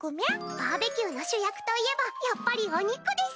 バーベキューの主役といえばやっぱりお肉です！